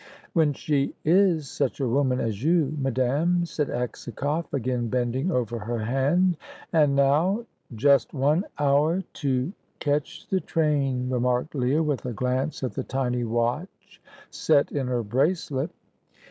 "When she is such a woman as you, madame," said Aksakoff, again bending over her hand; "and now " "Just one hour to catch the train," remarked Leah, with a glance at the tiny watch set in her bracelet.